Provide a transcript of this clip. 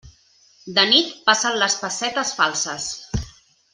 De nit, passen les pessetes falses.